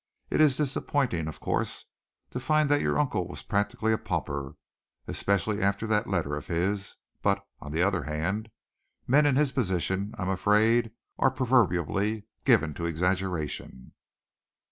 It is disappointing, of course, to find that your uncle was practically a pauper, especially after that letter of his, but, on the other hand, men in his position, I am afraid, are proverbially given to exaggeration."